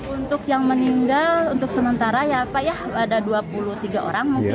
untuk yang meninggal untuk sementara ya pak ya ada dua puluh tiga orang mungkin